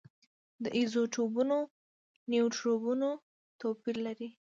د ایزوټوپونو نیوټرونونه توپیر لري.